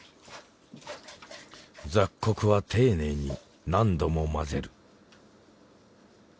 雑穀は丁寧に何度も混ぜる。